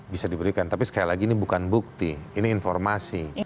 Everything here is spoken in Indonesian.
bisa diberikan tapi sekali lagi ini bukan bukti ini informasi